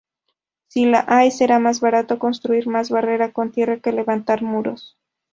Si la hay, será más barato construir más barrera con tierra que levantar muros.